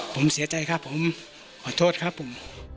ผมเสียใจครับผมขอโทษครับผม